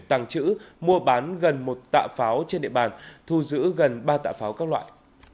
tàng trữ mua bán gần một tạ pháo trên địa bàn thu giữ gần ba tạ pháo các loại